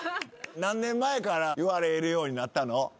何年前から言われるようになったの？